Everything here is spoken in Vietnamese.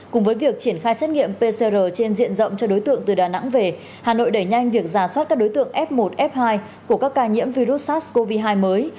cùng với việc triển khai xét nghiệm pcr trên diện rộng cho đối tượng từ đà nẵng về hà nội đẩy nhanh việc giả soát các đối tượng f một f hai của các ca nhiễm virus sars cov hai mới